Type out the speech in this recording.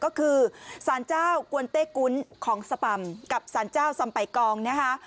ก็คือสารเจ้ากวนเต้กุลของสปำกับสารเจ้าสัมปัยกอง